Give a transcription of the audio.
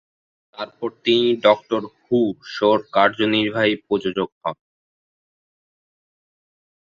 তারপর তিনি "Doctor Who" শো-র কার্যনির্বাহী প্রযোজক হন।